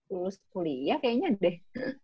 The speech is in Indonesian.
lulus kuliah kayaknya deh